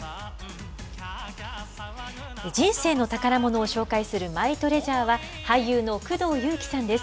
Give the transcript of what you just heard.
人生の宝ものを紹介する、マイトレジャーは、俳優の工藤夕貴さんです。